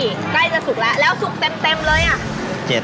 ใกล้จะสุกแล้วแล้วสุกเต็มเลยอ่ะ